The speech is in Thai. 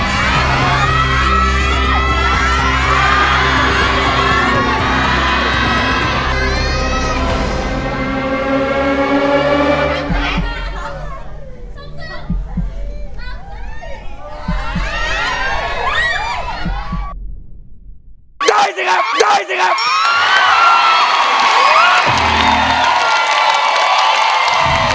ได้สิครับได้สิครับ